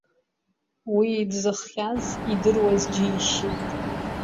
Уи дзыхҟьаз идыруаз џьишьеит.